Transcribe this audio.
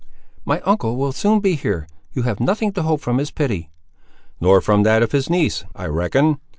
"My uncle will soon be here! you have nothing to hope from his pity." "Nor from that of his niece, I reckon.